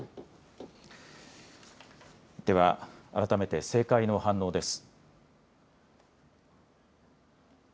では改めて政界の反応です。